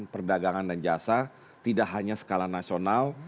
perdagangan dan jasa tidak hanya skala nasional